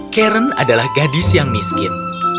karen adalah gadis yang miskin